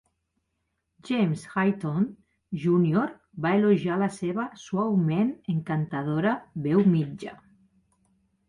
James Hinton, Junior va elogiar la seva "suaument encantadora veu mitja".